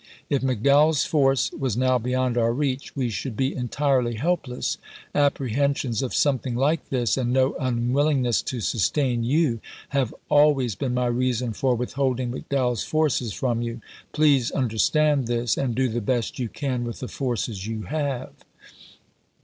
If McDowell's force was now beyond our reach, we should be entirely helpless. Apprehensions of something like this, and no unwillingness to sustain you, have al ways been my reason for withholding McDowell's forces voi.' xi., from you. Please understand this,^ and do the best you pp.^31, 32. can with the forces you have.